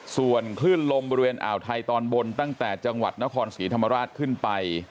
ส่วนคลื่นลมบริเวณอ่าวไทยตอนบนตั้งแต่จังหวัดนครศรีธรรมราชขึ้นไป